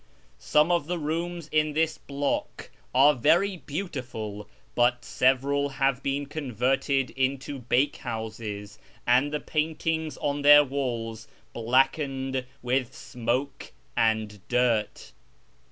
Some of the rooms in this block are very beautiful, but several have been converted into bakehouses, and the paintings on their walls blackened with smoke and dirt.